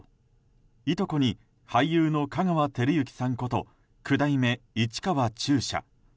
いとこに俳優の香川照之さんこと九代目市川中車。